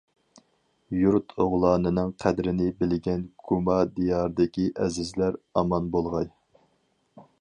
يۇرت ئوغلانىنىڭ قەدرىنى بىلگەن گۇما دىيارىدىكى ئەزىزلەر ئامان بولغاي.